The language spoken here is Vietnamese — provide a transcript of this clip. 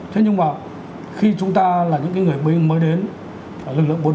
thế nhưng mà khi chúng ta là những cái người binh mới đến lực lượng bộ đội